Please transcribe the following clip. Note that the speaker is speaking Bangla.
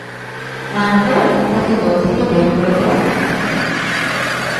মানকড় তাকে দল থেকে বের করে দেয়ার হুমকি দেন।